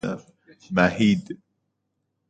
محید